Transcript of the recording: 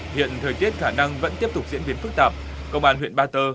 hiện thời tiết khả năng vẫn tiếp tục diễn biến phức tạp công an huyện ba tơ